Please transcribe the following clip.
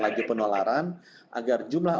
laju penularan agar jumlah